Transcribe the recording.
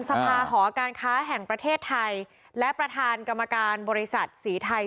สภาหอการค้าแห่งประเทศไทยและประธานกรรมการบริษัทสีไทย